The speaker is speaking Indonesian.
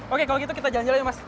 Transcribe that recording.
oke kalau gitu kita jalan jalan ya mas